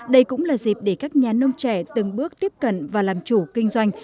đây cũng là dịp để các nhà nông trẻ từng bước tiếp cận và làm chủ kinh doanh